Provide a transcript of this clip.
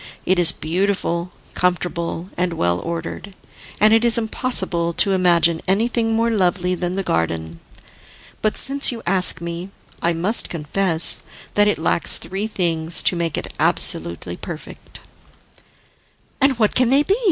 It is beautiful, comfortable and well ordered, and it is impossible to imagine anything more lovely than the garden. But since you ask me, I must confess that it lacks three things to make it absolutely perfect." "And what can they be?"